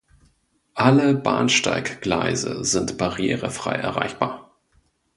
Alle Bahnsteiggleise sind barrierefrei erreichbar.